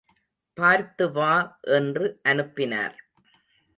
பார்த்து வா என்று அனுப்பினார்.